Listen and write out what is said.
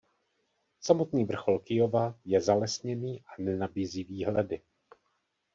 Samotný vrchol Kyjova je zalesněný a nenabízí výhledy.